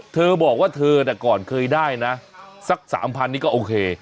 เธอบอกว่าเธอแต่ก่อนเคยได้นะสัก๓๐๐นี่ก็โอเค